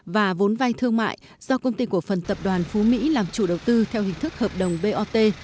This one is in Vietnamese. và vốn vay thương mại do công ty cổ phần tập đoàn phú mỹ làm chủ đầu tư theo hình thức hợp đồng bot